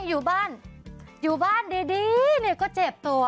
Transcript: อยู่บ้านดีเนี่ยตั๊ยตัว